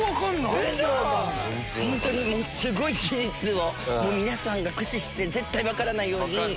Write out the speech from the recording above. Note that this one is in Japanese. ウソ⁉すごい技術を皆さんが駆使して絶対分からないように。